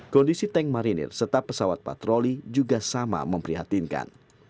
kondisi tank marinir serta pesawat patroli juga sama memprihatinkan